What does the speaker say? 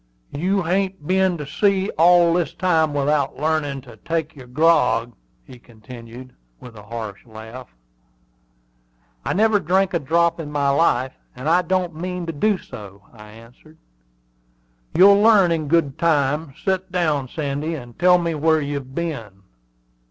"You hain't been to sea all this time without learnin' to take your grog?" he continued, with a coarse laugh. "I never drank a drop in my life, and I don't mean to do so," I answered. "You'll learn in good time. Set down, Sandy, and tell me where you've been."